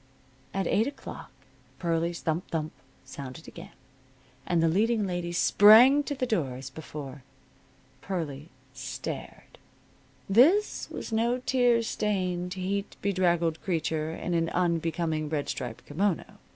At eight o'clock Pearlie's thump thump sounded again, and the leading lady sprang to the door as before. Pearlie stared. This was no tear stained, heat bedraggled creature in an unbecoming red striped kimono.